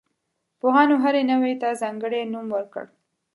پوهانو هرې نوعې ته ځانګړی نوم ورکړ.